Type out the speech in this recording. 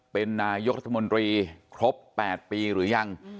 เป็นนายกรัฐมนตรีครบ๘ปีหรือยัง